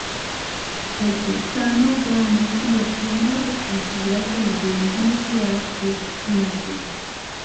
El Texano gana y obtiene las escrituras de la Planta Nuclear de Springfield.